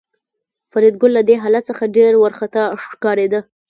فریدګل له دې حالت څخه ډېر وارخطا ښکارېده